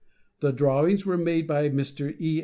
The drawings were made by Mr. E.